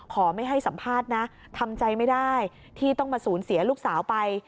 ไม่ให้สัมภาษณ์นะทำใจไม่ได้ที่ต้องมาสูญเสียลูกสาวไป